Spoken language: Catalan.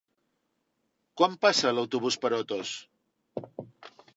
Quan passa l'autobús per Otos?